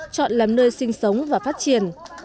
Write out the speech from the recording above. chọn làm nơi sinh sống và phát triển